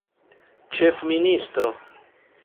ĉefministro